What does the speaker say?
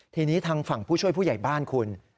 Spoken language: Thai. ทีนี้ทางฝั่งผู้ช่วยผู้ใหญ่บ้านคุณ